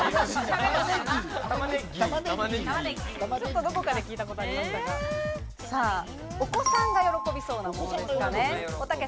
ちょっとどこから聞いたことありましたが、お子さんが喜びそうなものですかね。